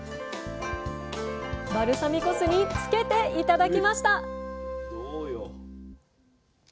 バルサミコ酢に付けて頂きました